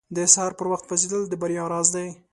• د سهار پر وخت پاڅېدل د بریا راز دی.